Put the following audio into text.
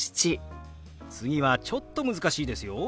次はちょっと難しいですよ。